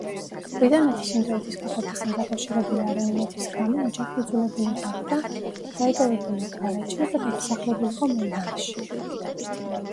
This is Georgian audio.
ბრიტანეთის ინდოეთის გაყოფასთან დაკავშირებული არეულობების გამო ოჯახი იძულებული გახდა დაეტოვებინა კარაჩი და გადასახლებულიყო მუმბაიში.